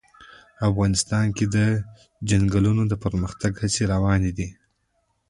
افغانستان کې د چنګلونه د پرمختګ هڅې روانې دي.